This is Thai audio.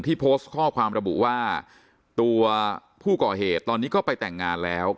โพสต์ข้อความระบุว่าตัวผู้ก่อเหตุตอนนี้ก็ไปแต่งงานแล้ว